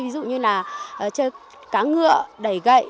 ví dụ như là chơi cá ngựa đẩy gậy